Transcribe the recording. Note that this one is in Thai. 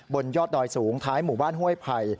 บนยอดดอยสูงท้ายหมู่บ้านห้วยไผ่